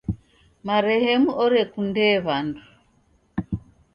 Marehemu orekundee w'andu.